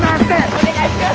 お願いします！